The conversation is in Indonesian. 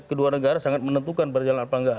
kedua negara sangat menentukan berjalan atau tidak